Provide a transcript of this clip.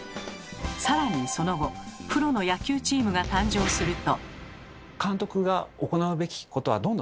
更にその後プロの野球チームが誕生すると。